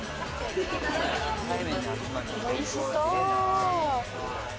おいしそう！